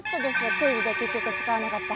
クイズで結局使わなかった。